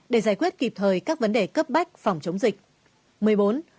để giải quyết kịp thời các vấn đề cấp bách phòng chống dịch